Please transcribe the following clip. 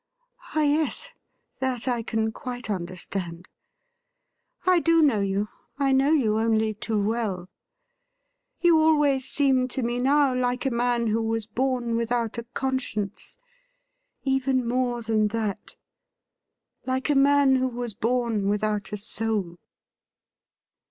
' Ah yes ; that I can quite understand. I do know you — I know you only too well. You always seem to me now like a man who was bom without a conscience, even more than that — like a man who was born without a soul.'